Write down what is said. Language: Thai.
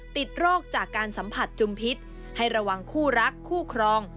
ติดโรคจากการสัมผัสจุมพิษให้ระวังคู่รักคู่ครอง